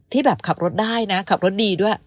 ที่แบบขับรถได้นะขับรถดีด้วย